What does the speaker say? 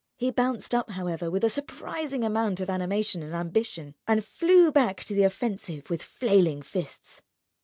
He bounced up, however, with a surprising amount of animation and ambition, and flew back to the offensive with flailing fists.